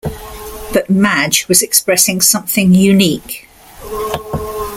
But Madge was expressing something unique.